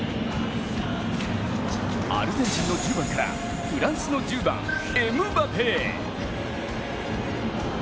アルゼンチンの１０番からフランスの１０番・エムバペへ。